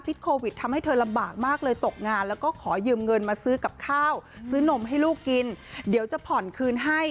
โควิดทำให้เธอลำบากมากเลยตกงานแล้วก็ขอยืมเงินมาซื้อกับข้าวซื้อนมให้ลูกกินเดี๋ยวจะผ่อนคืนให้